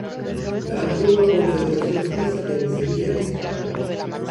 Las Antigua Confederación Suiza vencería esta batalla.